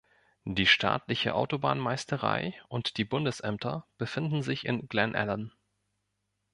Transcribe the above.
Die staatliche Autobahnmeisterei und die Bundesämter befinden sich in Glennallen.